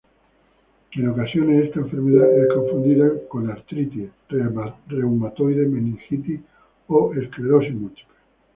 En ocasiones esta enfermedad es confundida con artritis reumatoide, meningitis o esclerosis múltiple.